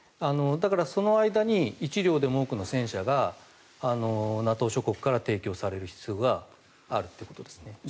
だから、その間に１両でも多くの戦車がＮＡＴＯ諸国から提供される必要があるということですね。